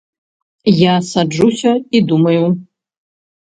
Я саджуся і думаю.